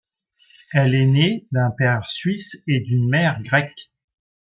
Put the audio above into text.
Elle est née d'un père suisse et d'une mère grecque.